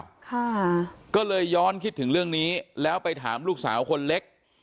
ค่ะก็เลยย้อนคิดถึงเรื่องนี้แล้วไปถามลูกสาวคนเล็ก